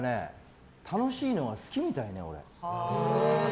楽しいのが好きみたい、俺。